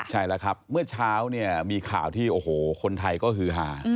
ใช่แล้วครับเมื่อเช้ามีข่าวที่คนไทยก็หือหา